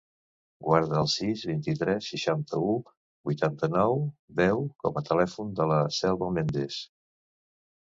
Guarda el sis, vint-i-tres, seixanta-u, vuitanta-nou, deu com a telèfon de la Selva Mendes.